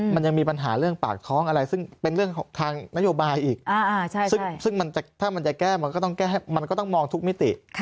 มันยังมีปัญหาเรื่องปากท้องอะไรซึ่งเป็นเรื่องทางนโยบายอีกซึ่งถ้ามันจะแก้มันก็ต้องแก้มันก็ต้องมองทุกมิติ